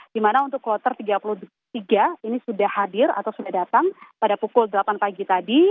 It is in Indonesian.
di mana untuk kloter tiga puluh tiga ini sudah hadir atau sudah datang pada pukul delapan pagi tadi